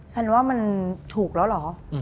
ฉันว่ามันถูกแล้วเหรอ